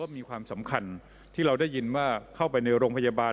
มีความสำคัญที่เราได้ยินว่าเข้าไปในโรงพยาบาล